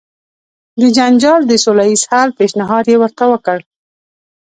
د جنجال د سوله ایز حل پېشنهاد یې ورته وکړ.